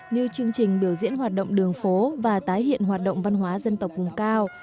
như chương trình biểu diễn hoạt động đường phố và tái hiện hoạt động văn hóa dân tộc vùng cao